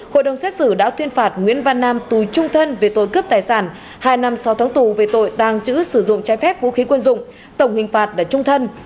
hội đồng xét xử đã tuyên phạt nguyễn văn nam tùy trung thân về tội cướp tài sản hai năm sáu tháng tù về tội tàng trữ sử dụng trái phép vũ khí quân dụng tổng hình phạt là trung thân